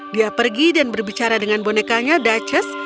dia pergi dan berbicara dengan bonekanya duches